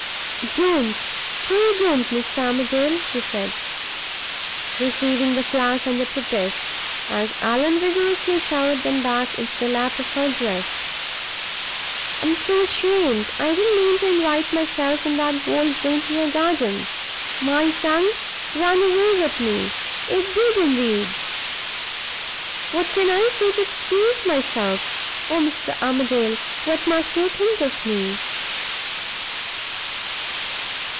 "Don't! pray don't, Mr. Armadale!" she said, receiving the flowers under protest, as Allan vigorously showered them back into the lap of her dress. "I am so ashamed! I didn't mean to invite myself in that bold way into your garden; my tongue ran away with me it did, indeed! What can I say to excuse myself? Oh, Mr. Armadale, what must you think of me?"